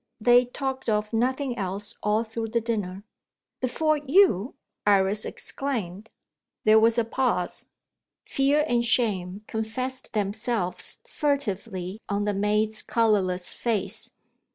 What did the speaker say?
"They talked of nothing else all through the dinner." "Before you!" Iris exclaimed. There was a pause. Fear and shame confessed themselves furtively on the maid's colourless face.